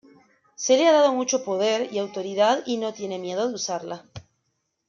Se le ha dado mucho poder y autoridad y no tiene miedo de usarla.